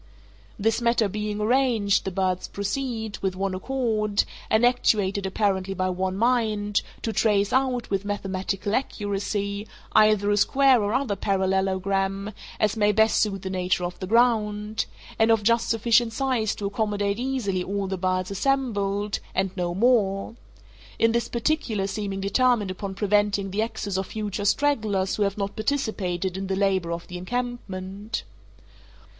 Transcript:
This matter being arranged, the birds proceed, with one accord, and actuated apparently by one mind, to trace out, with mathematical accuracy, either a square or other parallelogram, as may best suit the nature of the ground, and of just sufficient size to accommodate easily all the birds assembled, and no more—in this particular seeming determined upon preventing the access of future stragglers who have not participated in the labor of the encampment.